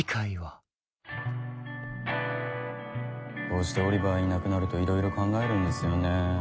こうしてオリバーいなくなるといろいろ考えるんですよね。